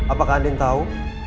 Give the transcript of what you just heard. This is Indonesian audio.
apakah andien tau